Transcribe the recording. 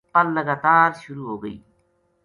پل لگاتار شروع ہوگئی